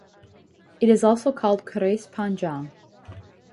It is also called keris panjang.